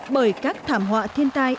bởi các thảm họa thiên tai